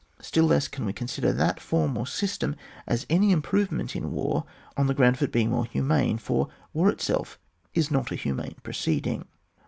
Still less can we consider that form or system as any improvement ia war on the ground of its being more humane, for war itself is not a himiane proceeding.